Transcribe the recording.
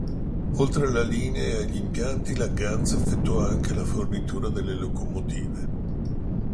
Oltre alla linea e agli impianti la Ganz effettuò anche la fornitura delle locomotive.